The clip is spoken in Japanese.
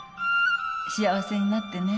幸せになってね